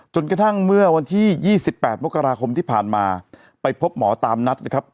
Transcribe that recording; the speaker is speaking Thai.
กระทั่งเมื่อวันที่๒๘มกราคมที่ผ่านมาไปพบหมอตามนัดนะครับ